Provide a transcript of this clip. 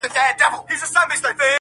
او سرليک مي ځکه منفي وليکی